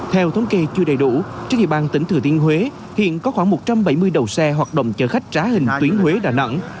theo thống kê chưa đầy đủ trên địa bàn tỉnh thừa thiên huế hiện có khoảng một trăm bảy mươi đầu xe hoạt động chở khách trá hình tuyến huế đà nẵng